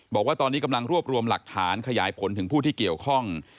บอกว่าตอนนี้กำลังรวบรวมหลักฐานขยายผลถึงผู้ที่เกี่ยวข้อง